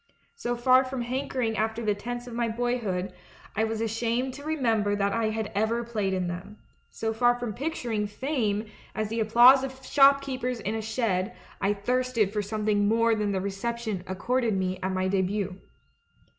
So far from hankering after the tents of my boyhood, I was ashamed to remember that I had ever played in them ; so far from picturing Fame as the applause of shopkeepers in a shed, I thirsted for something more than the reception accorded me at mv debut.